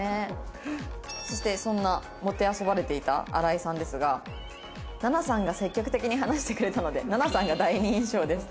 そしてそんな弄ばれていた荒井さんですが「７さんが積極的に話してくれたので７さんが第二印象です」。